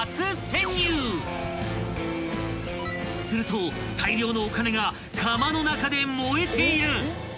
［すると大量のお金がかまの中で燃えている］